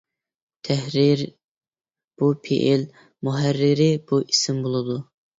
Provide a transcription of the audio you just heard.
تەھرىر بۇ پېئىل، مۇھەررىر بۇ ئىسىم بولىدۇ.